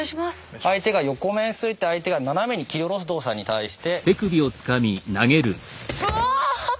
相手が横面ついて相手が斜めに切り下ろす動作に対して。